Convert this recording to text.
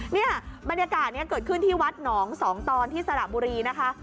เนี่ยบรรยากาศนี้เกิดขึ้นที่วัดหนองสองตอนที่สระบุรีนะคะ